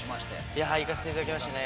行かせていただきましたね。